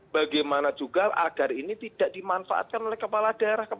bagaimana juga agar ini tidak dimanfaatkan oleh kepala daerah